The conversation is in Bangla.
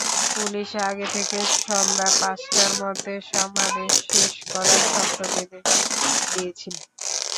পুলিশ আগে থেকে সন্ধ্যা পাঁচটার মধ্যে সমাবেশ শেষ করার শর্ত বেঁধে দিয়েছিল।